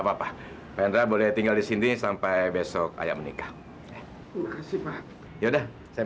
walaupun boleh tinggal di sini sampai besok hanya menikah makasih pak yuk cerima ini ya